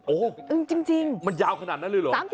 โอ้โหจริงมันยาวขนาดนั้นเลยเหรอ